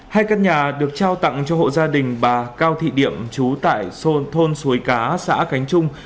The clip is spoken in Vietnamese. hai căn nhà được trao tặng cho hộ gia đình bà cao thị điệm chú tại thôn xuối cá xã khánh trung